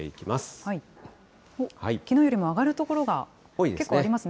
きのうよりも上がる所が結構おおいですね。